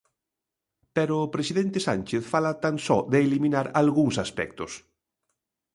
Pero o presidente Sánchez fala tan só de eliminar algúns aspectos.